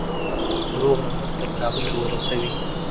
روغ رمټ تر کابله ورسوي.